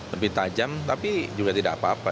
lebih tajam tapi juga tidak apa apa